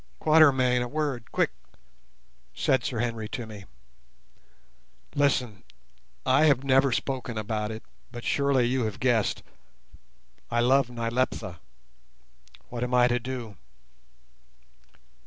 "Quatermain, a word, quick," said Sir Henry to me. "Listen. I have never spoken about it, but surely you have guessed: I love Nyleptha. What am I to do?"